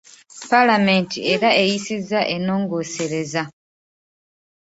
Paalamenti era eyisizza ennongoosereza.